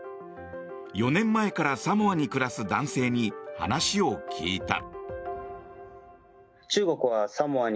４年前からサモアに暮らす男性に話を聞いた。